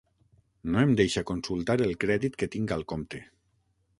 No em deixa consultar el crèdit que tinc al compte.